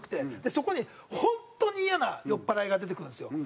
そこに本当にイヤな酔っ払いが出てくるんですよ。